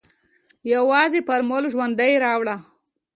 يوازې فارموله ژوندۍ راوړه.